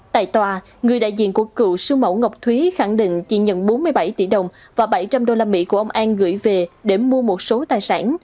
tại tòa người đại diện của cựu sư mẫu ngọc thúy khẳng định chỉ nhận bốn mươi bảy tỷ đồng và bảy trăm linh đô la mỹ của ông an gửi về để mua một số tài sản